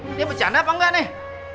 ini bercanda apa enggak nih